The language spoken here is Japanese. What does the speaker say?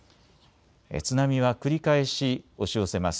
津波は繰り返し、押し寄せます。